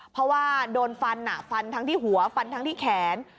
เพราะว่าโดนฟันฟันทั้งที่หัวฟันทั้งที่แขน